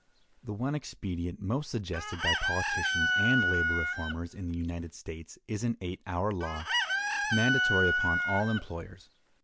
The one expedient most suggested by politicians and labor reformers in the United States is an eight hour law, mandatory upon all employers.